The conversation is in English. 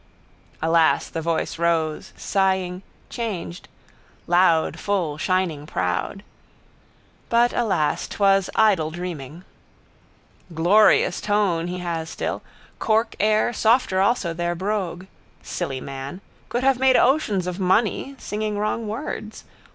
Alas the voice rose, sighing, changed: loud, full, shining, proud. —But alas, 'twas idle dreaming... Glorious tone he has still. Cork air softer also their brogue. Silly man! Could have made oceans of money. Singing wrong words.